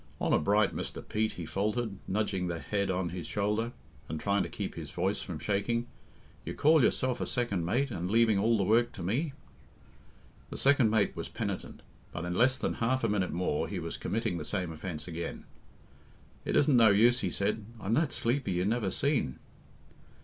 "Honour bright, Mr. Pete," he faltered, nudging the head on his shoulder, and trying to keep his voice from shaking; "you call yourself a second mate, and leaving all the work to me!" The second mate was penitent, but in less than half a minute more he was committing the same offence again. "It isn't no use," he said, "I'm that sleepy you never seen."